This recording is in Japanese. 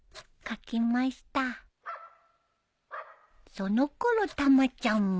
［そのころたまちゃんも］